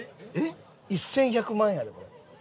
１１００万円やでこれ。